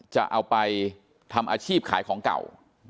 จะเอาไปทำอาชีพขายของเก่า